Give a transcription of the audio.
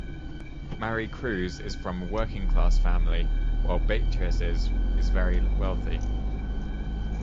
Maricruz is from a working-class family, while Beatriz's is very wealthy.